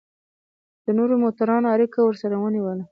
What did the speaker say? د نورو موټرانو اړیکه ورسره ونیوله.